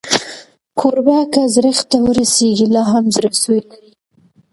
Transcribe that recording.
کوربه که زړښت ته ورسېږي، لا هم زړهسوی لري.